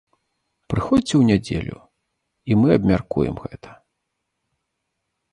Прыходзьце ў нядзелю, і мы абмяркуем гэта!